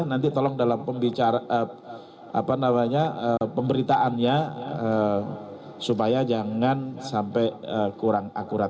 nanti tolong dalam pemberitaannya supaya jangan sampai kurang akurat